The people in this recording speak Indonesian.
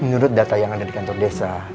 menurut data yang ada di kantor desa